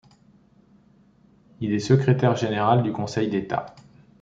Il est secrétaire général du Conseil d'État.